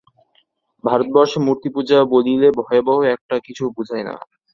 ভারতবর্ষে মূর্তিপূজা বলিলে ভয়াবহ একটা কিছু বুঝায় না।